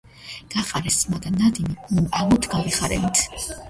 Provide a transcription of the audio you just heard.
გაყარეს სმა და ნადიმი მუნ ამოდ გავიხარენით